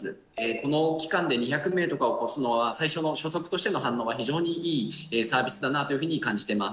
この期間で２００名とかを超すのは、最初の初速としての反応が非常にいいサービスだなというふうに感じてます。